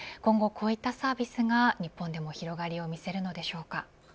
今後こういったサービスが日本でも広がりを見せるのでしょうか。